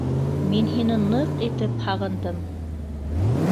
Мин һине ныҡ итеп һағындым.